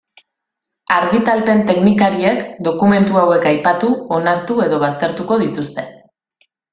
Argitalpen-teknikariek, dokumentu hauek aipatu, onartu edo baztertuko dituzte.